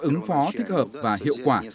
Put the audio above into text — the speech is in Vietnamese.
ứng phó thích hợp và hiệu quả